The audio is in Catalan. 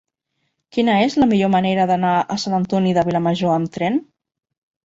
Quina és la millor manera d'anar a Sant Antoni de Vilamajor amb tren?